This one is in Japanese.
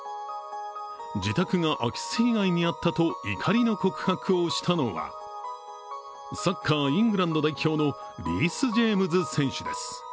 自宅が空き巣被害に遭ったと怒りの告白をしたのはサッカーイングランド代表のリース・ジェームズ選手です。